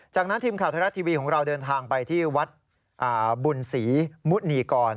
จากนั้นทีมข่าวไทยรัฐทีวีของเราเดินทางไปที่วัดบุญศรีมุนีกร